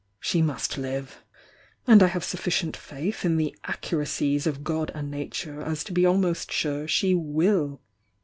She must live And I have sufficient faith m the accuracies of G.,d and Nature as to be almost sure she will!